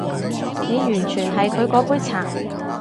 你完全係佢嗰杯茶